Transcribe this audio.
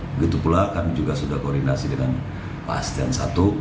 begitu pula kami juga sudah koordinasi dengan pak asetian i